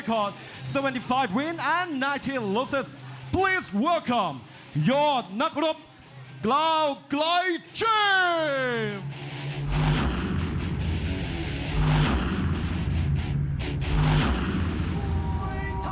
มวยไทยไฟเตอร์